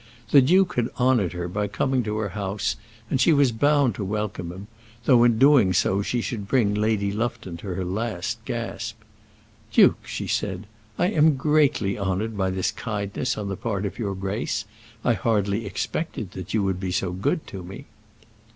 The duke had honoured her by coming to her house, and she was bound to welcome him, though in doing so she should bring Lady Lufton to her last gasp. "Duke," she said, "I am greatly honoured by this kindness on the part of your grace. I hardly expected that you would be so good to me."